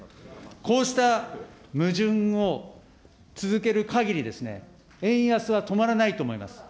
こうした矛盾を続けるかぎり、円安は止まらないと思います。